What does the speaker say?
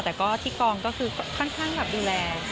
แต่ก็ที่กองก็คือค่อนข้างแบบดูแล